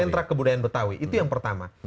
sentra kebudayaan betawi itu yang pertama